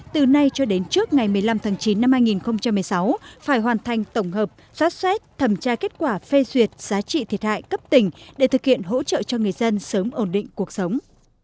từ nay cho đến trước ngày một mươi năm tháng chín năm hai nghìn một mươi sáu phải hoàn thành tổng hợp soát xét thẩm tra kết quả phê duyệt giá trị thiệt hại cấp tỉnh để thực hiện hỗ trợ cho người dân sớm ổn định cuộc sống